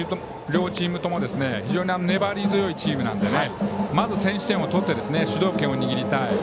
両チームとも非常に粘り強いチームなのでまず、先取点を取って主導権を握りたい。